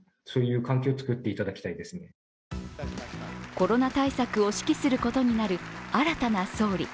コロナ対策を指揮することになる新たな総理。